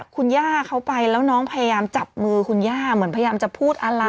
คุณย่าเขาไปแล้วน้องพยายามจับมือคุณย่าเหมือนพยายามจะพูดอะไร